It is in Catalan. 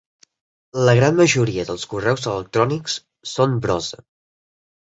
La gran majoria dels correus electrònics són brossa.